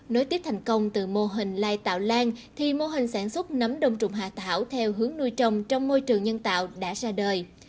nối tiếp thành công từ mô hình lai tạo lan thì mô hình sản xuất nấm đông trùng hạ thảo theo hướng nuôi trồng trong môi trường nhân tạo đã ra đời